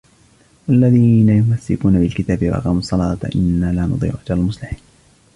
والذين يمسكون بالكتاب وأقاموا الصلاة إنا لا نضيع أجر المصلحين